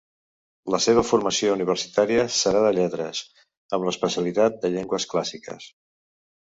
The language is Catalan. La seva formació universitària serà de lletres, amb l'especialitat de llengües clàssiques.